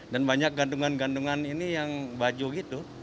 dan banyak gantungan gantungan ini yang baju gitu